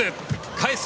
返す。